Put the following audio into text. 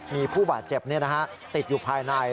มีผู้บาดเจ็บติดอยู่ภายใน